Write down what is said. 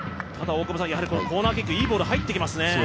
ただ、コーナーキック、いいボール入ってきますね。